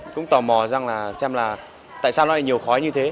cũng tò mò xem là tại sao nó lại nhiều khói như thế